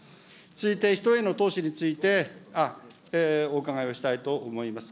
続いて人への投資について、お伺いをしたいと思います。